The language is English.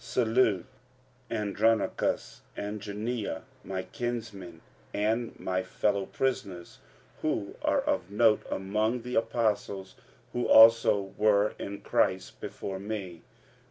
45:016:007 Salute Andronicus and Junia, my kinsmen, and my fellow prisoners, who are of note among the apostles, who also were in Christ before me.